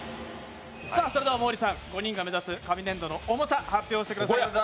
それでは毛利さん、５人が目指す紙粘土の重さを発表してください。